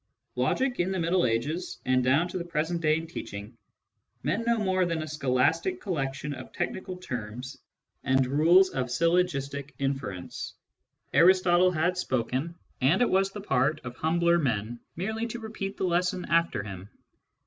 Logic, in the Middle Ages, and down to the present day in teaching, meant no more than a scholastic collection of technical terms and rules of syllogistic inference. Aristode had spoken, and it was the part of humbler men merely to repeat the lesson after him.